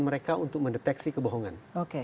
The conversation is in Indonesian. mereka untuk mendeteksi kebohongan